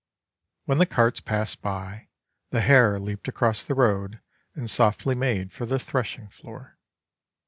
When the carts passed by, the hare leaped across the road and softly made for the threshing floor.